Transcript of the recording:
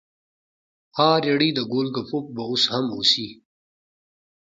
ها ریړۍ د ګول ګپو به اوس هم اوسي؟